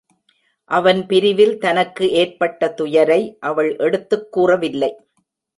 அவன் பிரிவில் தனக்கு ஏற்பட்ட துயரை அவள் எடுத்துக் கூறவில்லை.